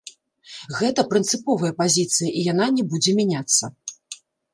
Гэта прынцыповая пазіцыя, і яна не будзе мяняцца.